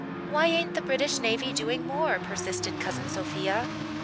"Why ain't the British navy doing more?" persisted Cousin Sophia.